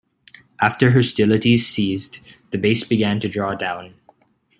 After hostilities ceased, the base began to draw down.